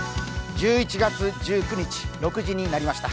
１１月１９日、６時になりました。